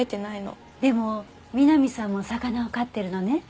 でも美波さんも魚を飼ってるのね。